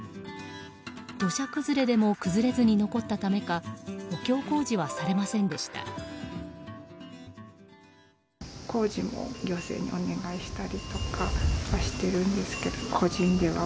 土砂崩れでも崩れずに残ったためか補強工事はされませんでした。